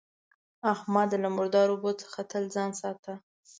احمده! له مردارو اوبو څخه تل ځان ساته.